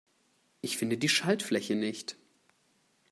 Ich finde die Schaltfläche nicht.